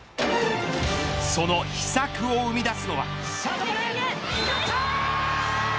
その秘策を生み出すのは。